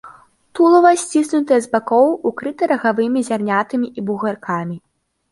Тулава сціснутае з бакоў, укрыта рагавымі зярнятамі і бугаркамі.